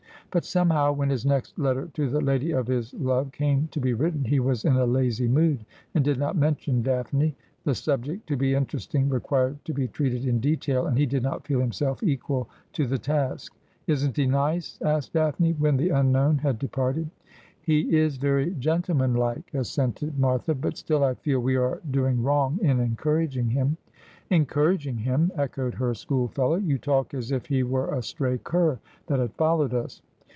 But somehow when his next letter to the lady of his love came to be written he was in a lazy mood, and did not mention Daphne. The subject, to be interesting, required to be treated in detail, and he did not feel himself equal to the task. ' Isn't he nice ?' asked Daphne, when the unknown had de parted. ' He is very gentlemanlike,' assented Martha, ' but still I feel we are doing wrong in encouraging him.' ' Encouraging him !' echoed her schoolfellow. ' You talk as if he were a stray cur that had followed us.'